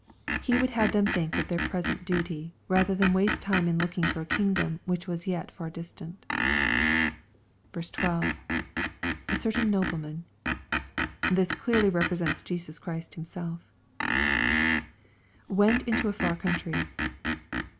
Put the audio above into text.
He would have them tliink of their present duty rather than waste time in looking for a kingdom which was yet far distant 12. — [A certain nohhman.] This clearly represents Jesus Christ Himself [ Went mto a far country.